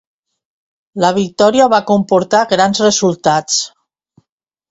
La victòria va comportar grans resultats.